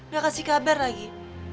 gak kasih kabar lagi